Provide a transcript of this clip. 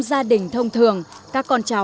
sử dụng trang gọc